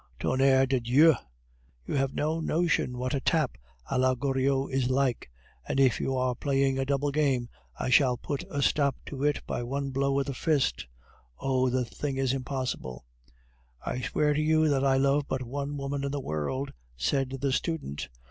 Tonnerre de dieu! you have no notion what a tap a la Goriot is like, and if you are playing a double game, I shall put a stop to it by one blow of the fist... Oh! the thing is impossible!" "I swear to you that I love but one woman in the world," said the student.